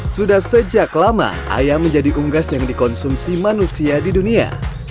sudah sejak lama ayam menjadi unggas yang dikonsumsi manusia di dunia